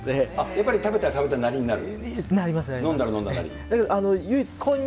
やっぱり食べたり食べたなりになる？